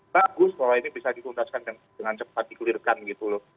bagus kalau ini bisa dikuntaskan dengan cepat dikulirkan gitu loh